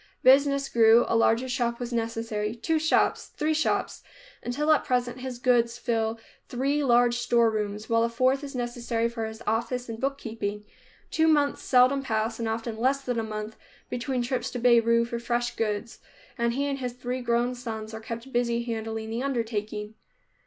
Business grew, a larger shop was necessary, two shops, three shops, until at present his goods fill three large storerooms, while a fourth is necessary for his office and bookkeeping. Two months seldom pass, and often less than a month, between trips to Beirut for fresh goods, and he and his three grown sons are kept busy handling the undertaking.